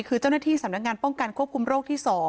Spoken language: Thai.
คือเจ้าหน้าที่สำนักงานป้องกันควบคุมโรคที่๒